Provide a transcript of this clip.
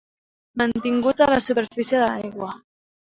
Mantingut a la superfície de l'aigua.